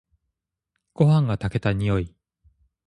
ごはんが炊けた匂い。